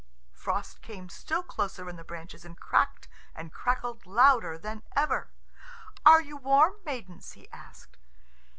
Frost came still lower in the branches, and cracked and crackled louder than ever. "Are you warm, maidens?" he asked.